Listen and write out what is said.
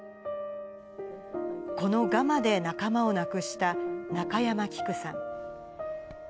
このガマで仲間を亡くした中山きくさん。